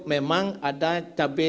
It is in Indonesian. memang ada cabai rawit merah yang agak cukup